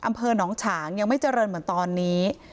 อำเภอหนองฉางยังไม่เจริญเหมือนตอนนี้